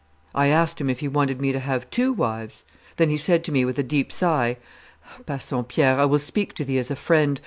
I asked him if he wanted me to have two wives. Then he said to me with a deep sigh, 'Bassompierre, I will speak to thee as a friend.